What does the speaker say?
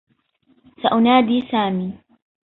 سأنادي سامي.